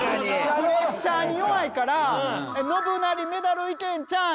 プレッシャーに弱いから「信成メダルいけんちゃう？」